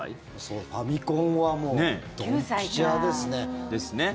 ファミコンはもうドンピシャですね。